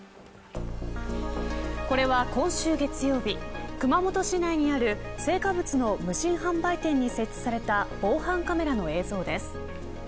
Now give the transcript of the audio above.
これは今週月曜日熊本市内にある青果物の無人販売店に設置された防犯カメラの映像です。